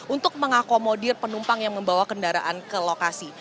untuk mengakomodir penumpang yang membawa kendaraan ke lokasi